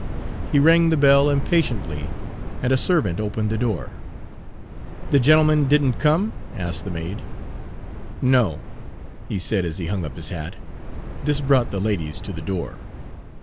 He rang the bell impatiently, and a servant opened the door. "The gentleman did n't come?" asked the maid. "No," he said as he hung up his hat. This brought the ladies to the door.